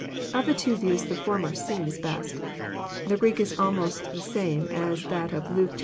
Of the two views the former seems best. The Greek is almost the same as that of Luke iii.